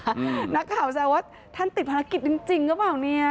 นักข่าวแซวว่าท่านติดภารกิจจริงหรือเปล่าเนี่ย